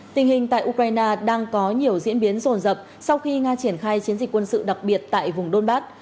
tình hình tại ukraine đang có nhiều diễn biến rồn rập sau khi nga triển khai chiến dịch quân sự đặc biệt tại vùng donbat